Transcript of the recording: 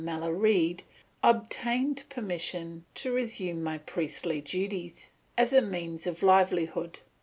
Mellarede, obtained permission to resume my priestly duties, as a means of livelihood.